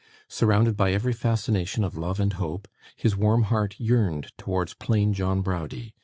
Surrounded by every fascination of love and hope, his warm heart yearned towards plain John Browdie.